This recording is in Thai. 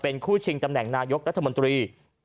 คู่ชิงตำแหน่งนายกรัฐมนตรี